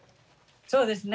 そうですね。